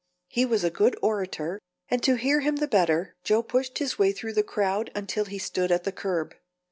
He was a good orator, and to hear him the better, Joe pushed his way through the crowd until he stood at the curb.